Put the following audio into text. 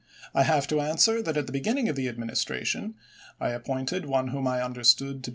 ' I have to answer that at the beginning of the Administra tion I appointed one whom I understood to be an 598 ABRAHAM LINCOLN Ch.